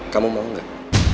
kamu mau gak